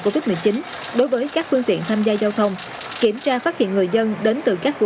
covid một mươi chín đối với các phương tiện tham gia giao thông kiểm tra phát hiện người dân đến từ các khu